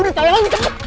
udah tau yang ngicep